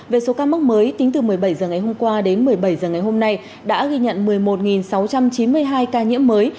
về số ca mắc mới tính từ một mươi bảy h ngày hôm qua đến một mươi bảy h ngày hôm nay đã ghi nhận một mươi một sáu trăm chín mươi hai ca nhiễm mới